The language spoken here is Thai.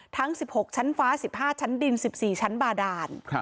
ทั้ง๑๖ชั้นฟ้า๑๕ชั้นดิน๑๔ชั้นบาดาน